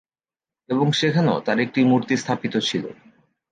এবং সেখানেও তার একটি মূর্তি স্থাপিত ছিলো।